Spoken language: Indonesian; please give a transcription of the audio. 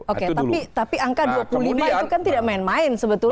oke tapi angka dua puluh lima itu kan tidak main main sebetulnya